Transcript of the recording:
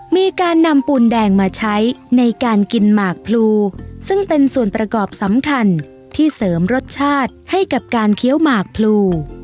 มีการนำปูนแดงมาใช้ในการกินหมากพลูซึ่งเป็นส่วนประกอบสำคัญที่เสริมรสชาติให้กับการเคี้ยวหมากพลู